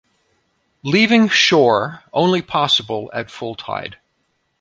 Leaving shore only possible at full tide.